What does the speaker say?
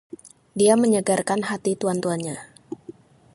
Dia menyegarkan hati tuan-tuannya.